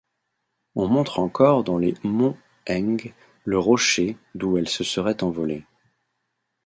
On montre encore dans les monts Heng le rocher d’où elle se serait envolée.